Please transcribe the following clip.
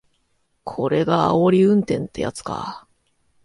これがあおり運転ってやつか